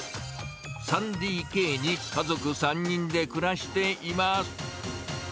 ３ＤＫに家族３人で暮らしています。